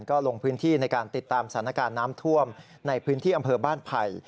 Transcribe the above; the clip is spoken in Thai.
ก็ลงพื้นที่ในการติดตามสถานการณ์น้ำท่วมในพื้นที่อำเภอบ้านไผ่